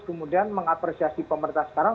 kemudian mengapresiasi pemerintah sekarang